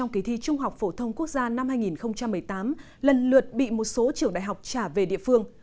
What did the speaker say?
kỳ thi trung học phổ thông quốc gia năm hai nghìn một mươi tám lần lượt bị một số trường đại học trả về địa phương